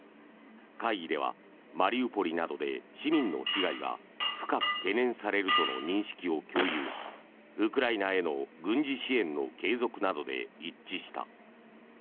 会議ではマリウポリなどで市民の被害が深く懸念されるとの認識を共有しウクライナへの軍事支援の継続などで一致した。